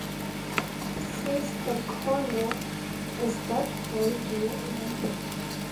Says the coroner, "is that boy here?"